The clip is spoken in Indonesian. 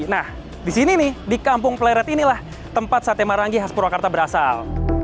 nah di sini nih di kampung pleret inilah tempat sate marangi khas purwakarta berasal